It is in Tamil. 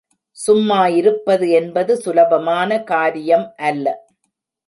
சும்மா இருப்பது என்பது சுலபமான காரியம் அல்ல.